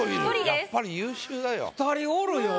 やっぱり優秀だよ。